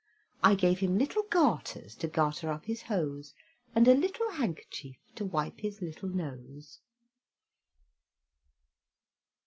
I gave him little garters, To garter up his hose, And a little handkerchief, To wipe his little nose.